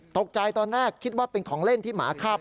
ตอนแรกคิดว่าเป็นของเล่นที่หมาคาบ